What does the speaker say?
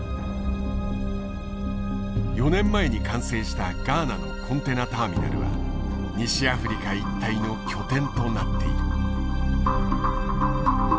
４年前に完成したガーナのコンテナターミナルは西アフリカ一帯の拠点となっている。